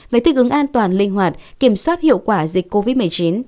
về thích ứng an toàn linh hoạt kiểm soát hiệu quả dịch covid một mươi chín